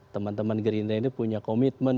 teman teman gerindra ini punya komitmen